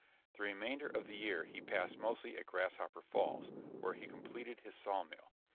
The remainder of the year he passed mostly at Grasshopper Falls, where he completed his saw mill.